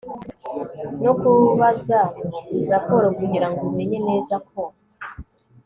no kubaza raporo kugira ngo imenye neza ko